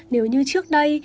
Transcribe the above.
nếu như trước đây